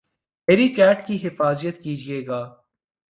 میری چیٹ کی حفاظت کیجئے گا